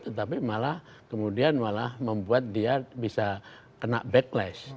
tetapi malah kemudian malah membuat dia bisa kena backlash